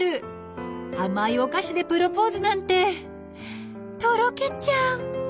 甘いお菓子でプロポーズなんてとろけちゃう！